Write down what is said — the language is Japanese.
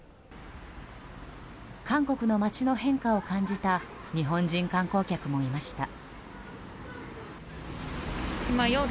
韓国の街の変化を感じた日本人観光客もいました。